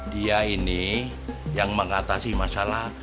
dia ini yang mengatasi masalah